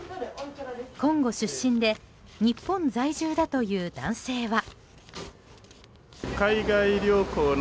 コンゴ出身で日本在住だという男性は。